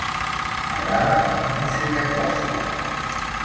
M'agrada la música clàssica.